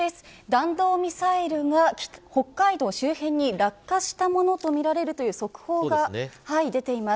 弾道ミサイルが北海道周辺に落下したものとみられるという速報が出ています。